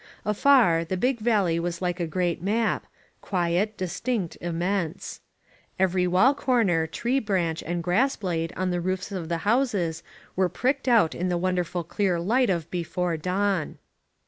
Afar, the big valley was like a great map, quiet, distinct, immense. Every wall corner, tree branch and grass blade on the roofs of the houses were pricked out in the wonderful clear light of before dawn.